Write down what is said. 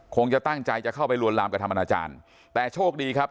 คงจะตั้งใจจะเข้าไปลวนลามกระทำอนาจารย์แต่โชคดีครับ